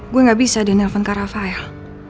gua ga bisa ada nelfon ke rafael